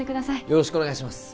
よろしくお願いします